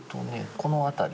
この辺り？